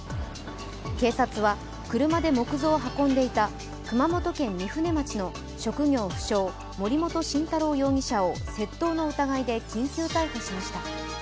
警察は車で木像を運んでいた熊本県御船町の職業不詳、森本晋太郎容疑者を窃盗の疑いで緊急逮捕しました。